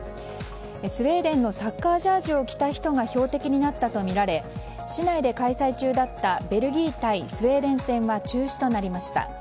スウェーデンのサッカージャージーを着た人が標的になったとみられ市内で開催中だったベルギー対スウェーデン戦は中止となりました。